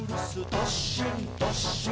どっしんどっしん」